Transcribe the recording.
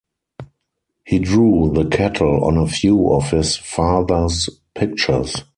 He drew the cattle on a few of his father's pictures.